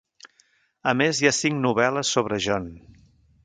A més, hi ha cinc novel·les sobre John.